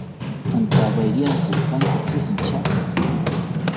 Antawerintzi ipankitzi inchato